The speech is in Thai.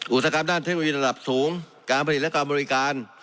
อุตสาหกรรมด้านเทคโนโลยีระดับสูงการผลิตและการบริการ